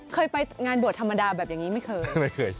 เคยไปงานบวชธรรมดาแบบอย่างนี้ไม่เคยไม่เคย